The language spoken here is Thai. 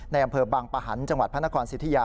อำเภอบางปะหันต์จังหวัดพระนครสิทธิยา